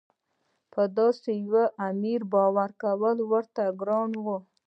په داسې یوه امیر باور کول ورته ګران وو.